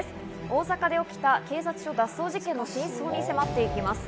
大阪で起きた、警察署脱走事件の真相に迫ってきます。